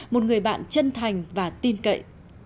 một người bạn chân thành và tin cậy